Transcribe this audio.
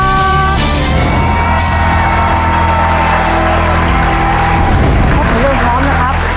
พ่อสำเริงพร้อมนะครับ